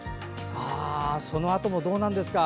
そのあともどうなんですか。